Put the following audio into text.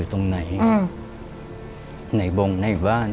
ช่วยด้วย